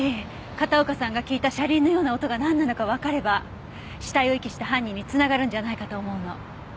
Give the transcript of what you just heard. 片岡さんが聞いた車輪のような音がなんなのかわかれば死体を遺棄した犯人に繋がるんじゃないかと思うの。